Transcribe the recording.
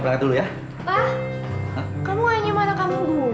pak kamu ngajak anak kamu dulu